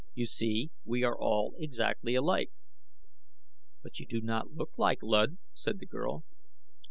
You see we are all exactly alike." "But you do not look like Luud," said the girl.